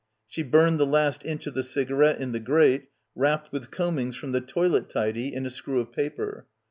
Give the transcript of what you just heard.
She burned the last inch of the cigarette in the grate, wrapped with combings from the toilet tidy in a screw of paper.